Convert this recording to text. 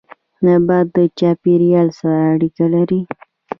نبات د چاپيريال سره اړيکه لري